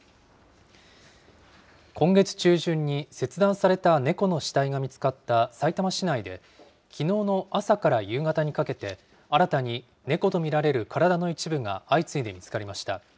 今月中旬に、切断された猫の死体が見つかったさいたま市内で、きのうの朝から夕方にかけて、新たに猫と見られる体の一部が相次いで見つかりました。